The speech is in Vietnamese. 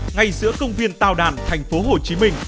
ngay giữa công viên tàu đàn thành phố hồ chí minh